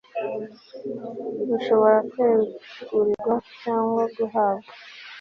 bushobora kwegurirwa cyangwa guhabwa